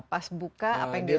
pas buka apa yang dilakukan